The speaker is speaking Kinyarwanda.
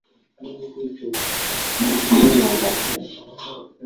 ifu y’imyumbati